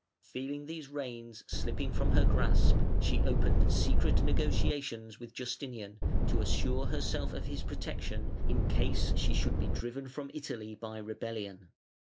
Feeling these reins slipping from her grasp, she opened secret negotiations with Justinian to assure herself of his protection in case she should be driven from Italy by rebellion.